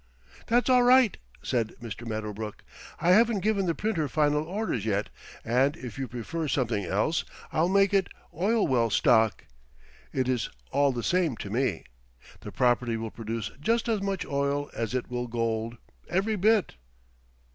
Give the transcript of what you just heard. "That's all right," said Mr. Medderbrook. "I haven't given the printer final orders yet and if you prefer something else I'll make it Oil Well stock. It is all the same to me. The property will produce just as much oil as it will gold. Every bit!"